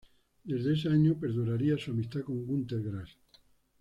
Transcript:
Desde ese año perduraría su amistad con Günther Grass.